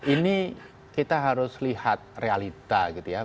ini kita harus lihat realita gitu ya